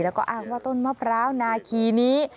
แล้วก็อ้างว่าต้นมะพร้าวนาคีนี้